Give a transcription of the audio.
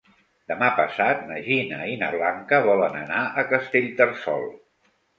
Demà passat na Gina i na Blanca volen anar a Castellterçol.